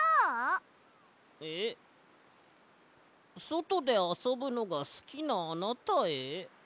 「そとであそぶのがすきなあなたへ」？